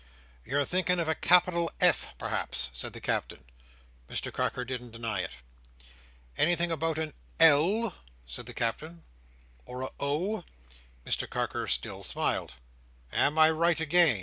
"You're thinking of a capital F perhaps?" said the Captain. Mr Carker didn't deny it. "Anything about a L," said the Captain, "or a O?" Mr Carker still smiled. "Am I right, again?"